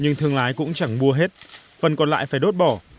nhưng thương lái cũng chẳng mua hết phần còn lại phải đốt bỏ